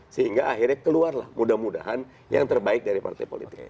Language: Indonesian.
sehingga akhirnya keluarlah mudah mudahan yang terbaik dari partai politik